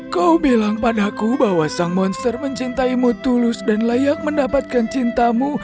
kau bilang padaku bahwa sang monster mencintaimu tulus dan layak mendapatkan cintamu